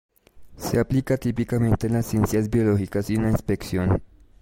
Se aplica típicamente en las ciencias biológicas y en la inspección.